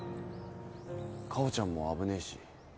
夏帆ちゃんも危ねえし。